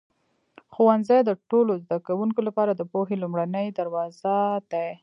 ښوونځی د ټولو زده کوونکو لپاره د پوهې لومړنی دروازه دی.